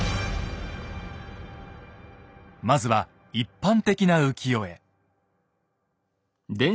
まずは一般的な浮世絵。